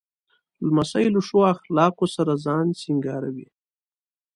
لمسی له ښو اخلاقو سره ځان سینګاروي.